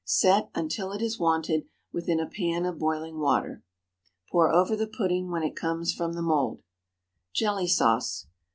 Set, until it is wanted, within a pan of boiling water. Pour over the pudding when it comes from the mould. JELLY SAUCE.